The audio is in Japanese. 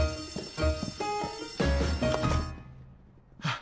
あ。